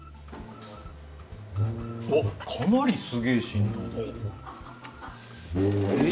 かなりすげえ振動ですね。